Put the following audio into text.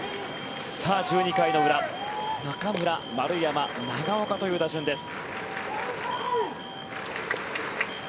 さあ、１２回の裏中村、丸山、長岡という打順です。